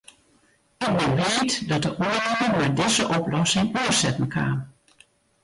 Ik bin bliid dat de oannimmer mei dizze oplossing oansetten kaam.